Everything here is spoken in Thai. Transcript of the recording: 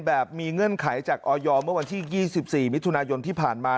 แบบมีเงื่อนไขจากออยเมื่อวันที่๒๔มิถุนายนที่ผ่านมา